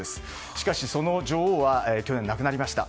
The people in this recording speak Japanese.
しかし、その女王は去年亡くなりました。